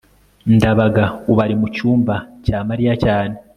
ndabaga ubu ari mucyumba cya mariya cyane